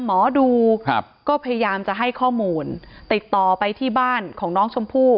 หมอดูครับก็พยายามจะให้ข้อมูลติดต่อไปที่บ้านของน้องชมพู่